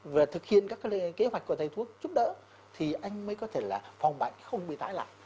về thực hiện các kế hoạch của thầy thuốc giúp đỡ thì anh mới có thể là phòng bệnh không bị tái lại